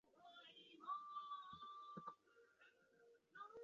整张专辑均由台湾音乐人阿弟仔担纲制作。